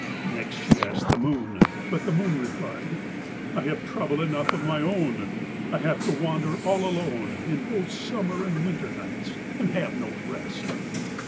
Next she asked the Moon, but the Moon replied: 'I have trouble enough of my own. I have to wander all alone in both summer and winter nights, and have no rest.'